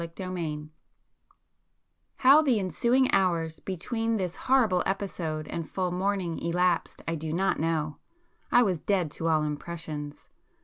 [p 119]XI How the ensuing hours between this horrible episode and full morning elapsed I do not know. I was dead to all impressions.